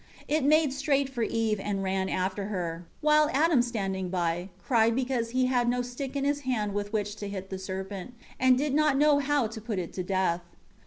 2 It made straight for Eve, and ran after her; while Adam standing by, cried because he had no stick in his hand with which to hit the serpent, and did not know how to put it to death.